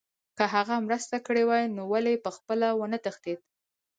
که هغه مرسته کړې وای نو ولې پخپله ونه تښتېد